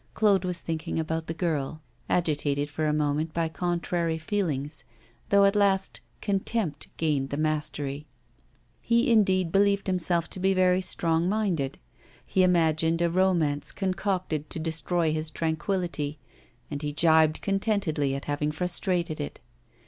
Claude was thinking about the girl agitated for a moment by contrary feelings, though at last contempt gained the mastery. He indeed believed himself to be very strong minded; he imagined a romance concocted to destroy his tranquillity, and he gibed contentedly at having frustrated it.